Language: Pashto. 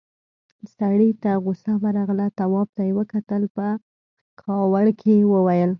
سړي ته غوسه ورغله، تواب ته يې وکتل، په کاوړ يې وويل: